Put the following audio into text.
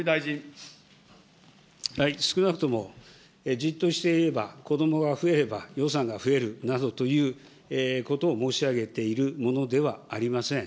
少なくとも、じっとしていれば、子どもが増えれば予算が増えるなどということを申し上げているものではありません。